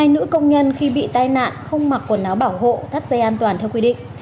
hai nữ công nhân khi bị tai nạn không mặc quần áo bảo hộ thắt dây an toàn theo quy định